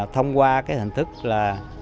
thông qua cái hành thức là